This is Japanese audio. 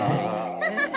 ハハハ！